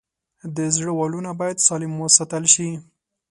د زړه والونه باید سالم وساتل شي.